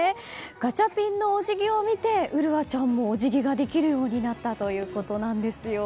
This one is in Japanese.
ガチャピンのお辞儀を見て麗愛ちゃんもお辞儀ができるようになったということです。